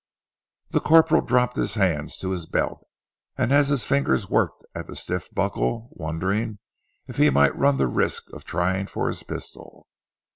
The corporal dropped his hands to his belt, and as his fingers worked at the stiff buckle, wondered if he might run the risk of trying for his pistol.